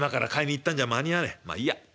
まあいいや。